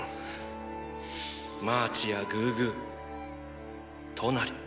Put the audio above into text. マーチやグーグートナリ。